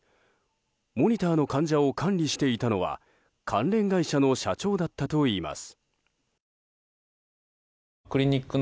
モニターの患者を管理していたのは関連会社の社長だったといいます。